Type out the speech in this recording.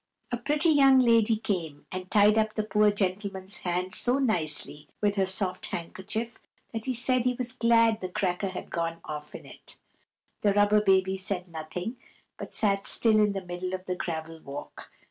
A pretty young lady came, and tied up the poor gentleman's hand so nicely with her soft handkerchief that he said he was glad the cracker had gone off in it. The Rubber Baby said nothing, but sat still in the middle of the gravel walk.